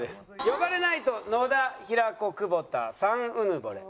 呼ばれないと野田平子久保田３うぬぼれ。